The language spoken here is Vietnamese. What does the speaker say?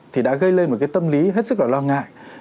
thì đã gây lên một tâm lý hết sức lo ngại